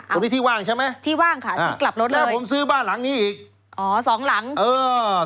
ตรงนี้ที่ว่างใช่ไหมถ้าผมซื้อบ้านหลังนี้อีกค่ะตรงนี้ที่ว่างใช่ไหมถ้าผมซื้อบ้านหลังนี้อีก